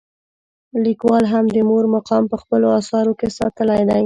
لیکوالو هم د مور مقام په خپلو اثارو کې ستایلی دی.